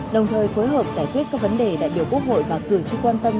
đồng thời phối hợp giải quyết các vấn đề đại biểu quốc hội và cử tri quan tâm